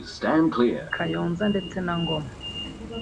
Kayonza ndetse na Ngoma